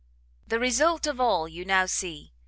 "The result of all you now see.